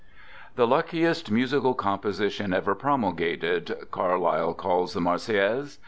"The luckiest musical composition ever promul gated," Carlyle calls the Marseillaise.